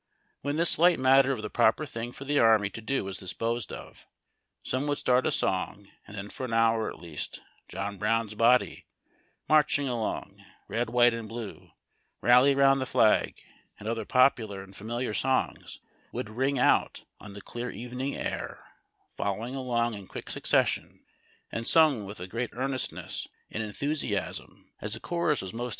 When this slight matter of the proper thing for the army to do was disposed of, some one would start a song, and then for an hour at least " John Brown's Body," " Marching Along,^' " Red, White, and Blue," " Rally 'round the Flag," and other popular and familiar songs would ring out on the clear evening air, following along in quick succession, and sung with great earnestness and enthusiasm as the chorus was 336 BAUD TACK AND COFFEE.